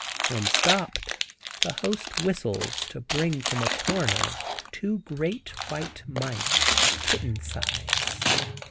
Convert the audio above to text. When stopped, the host whistles, to bring from a corner two great white mice, kitten size.